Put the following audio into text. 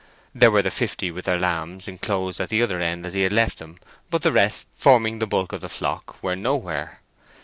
There were the fifty with their lambs, enclosed at the other end as he had left them, but the rest, forming the bulk of the flock, were nowhere.